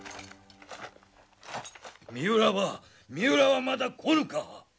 三浦は三浦はまだ来ぬか？